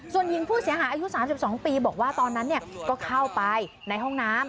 ส่วนหญิงผู้เสียหายอายุ๓๒ปีบอกว่าตอนนั้นก็เข้าไปในห้องน้ำ